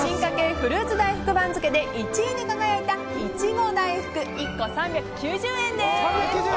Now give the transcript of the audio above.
フルーツ大福番付で１位に輝いた、いちご大福１個３９０円です。